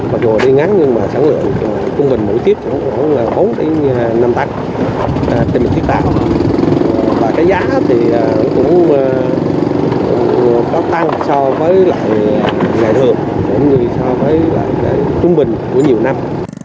mặc dù là đi ngắn nhưng mà sản lượng trung bình mỗi tiết cũng khoảng là bốn năm tắc trên một tiết cao và cái giá thì cũng cao tăng so với lại ngày thường cũng như so với lại trung bình của nhiều năm